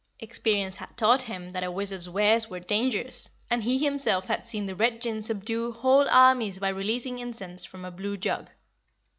Experience had taught him that a wizard's wares were dangerous, and he himself had seen the Red Jinn subdue whole armies by releasing incense from a blue jug.